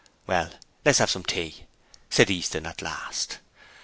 'Well, let's have some tea,' said Easton at last.